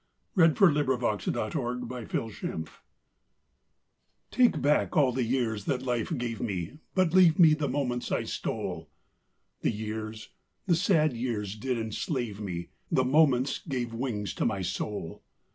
SONGS AND DREAMS Stolen Moments Take back all the years that life gave me, But leave me the moments I stole; The years, the sad years did enslave me, The moments gave wings to my soul.